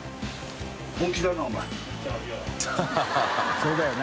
そうだよな。